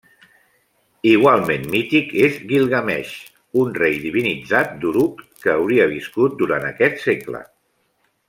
Igualment mític és Guilgameix, un rei divinitzat d'Uruk que hauria viscut durant aquest segle.